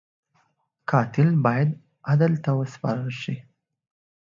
قاتل باید عدل ته وسپارل شي